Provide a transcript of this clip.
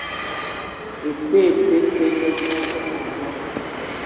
Ete ete te, dò bëngadzoge mëvòd